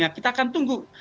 ya kita akan tunggu